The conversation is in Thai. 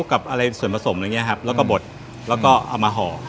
กับอะไรส่วนผสมอะไรอย่างนี้ครับแล้วก็บดแล้วก็เอามาห่อ